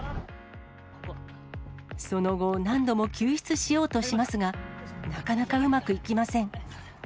その後、何度も救出しようとしますが、なかなかうまくいきません。